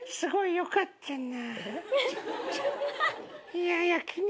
良かったな。